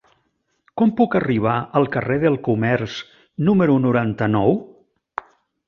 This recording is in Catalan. Com puc arribar al carrer del Comerç número noranta-nou?